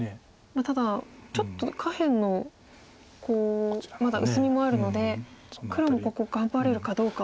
ただちょっと下辺のまだ薄みもあるので黒もここ頑張れるかどうか。